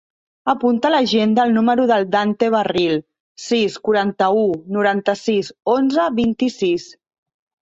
Apunta a l'agenda el número del Dante Barril: sis, quaranta-u, noranta-sis, onze, vint-i-sis.